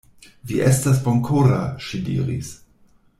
Vi estas bonkora, ŝi diris.